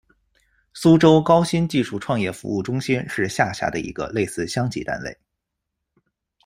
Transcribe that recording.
苏州高新技术创业服务中心是下辖的一个类似乡级单位。